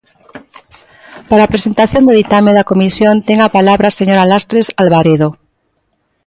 Para a presentación do ditame da Comisión ten a palabra a señora Lastres Albaredo.